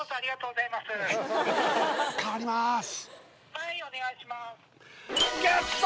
☎はいお願いします